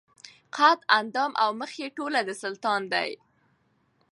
قد اندام او مخ یې ټوله د سلطان دي